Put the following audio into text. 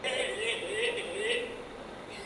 General López y Belgrano.